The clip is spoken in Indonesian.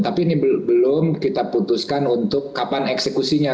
tapi ini belum kita putuskan untuk kapan eksekusinya